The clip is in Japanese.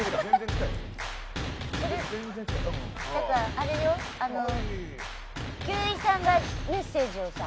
あの休井さんがメッセージをさ。